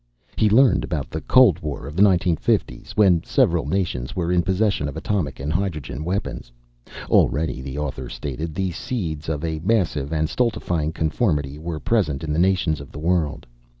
He learned about the Cold War of the 1950's, when several nations were in possession of atomic and hydrogen weapons. Already, the author stated, the seeds of a massive and stultifying conformity were present in the nations of the world.